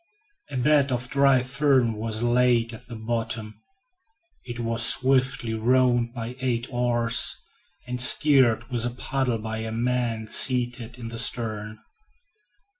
A bed of dry fern was laid at the bottom. It was swiftly rowed by eight oars, and steered with a paddle by a man seated in the stern.